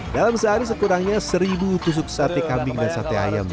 dalam sehari sekurangnya seribu tusuk sate kambing dan sate ayam